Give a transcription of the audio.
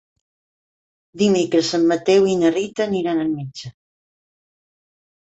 Dimecres en Mateu i na Rita aniran al metge.